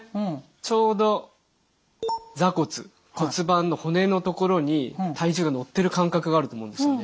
ちょうど座骨骨盤の骨の所に体重が乗ってる感覚があると思うんですよね。